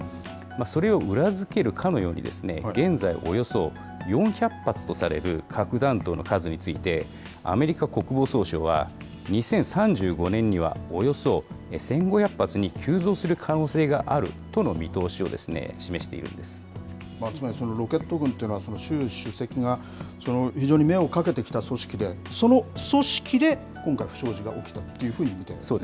それを裏付けるかのように、現在、およそ４００発とされる核弾頭の数について、アメリカ国防総省は、２０３５年にはおよそ１５００発に急増する可能性があるとの見通つまり、そのロケット軍というのは、習主席が非常に目をかけてきた組織で、その組織で今回、不祥事が起きたというふうに見ているんですか。